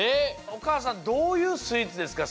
おかあさんどういうスイーツですか？